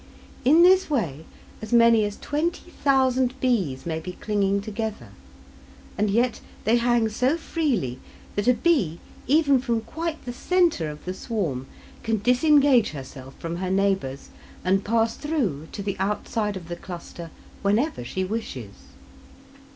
In this way as many as 20,000 bees may be clinging together, and yet they hang so freely that a bee, even from quite the centre of the swarm, can disengage herself from her neighbours and pass through to the outside of the cluster whenever she wishes.